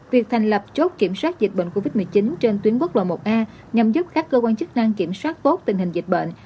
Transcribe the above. việc thành lập chốt kiểm soát dịch bệnh covid một mươi chín trên tuyến quốc lộ một a nhằm giúp các cơ quan chức năng kiểm soát tốt tình hình dịch bệnh